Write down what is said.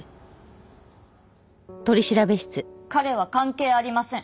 彼は関係ありません。